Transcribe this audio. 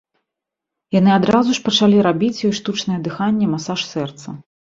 Яны адразу ж пачалі рабіць ёй штучнае дыханне, масаж сэрца.